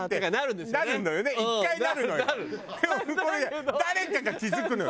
でもそこで誰かが気付くのよ。